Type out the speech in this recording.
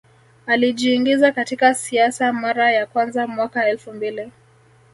Alijiingiza katika siasa mara ya kwanza mwaka elfu mbili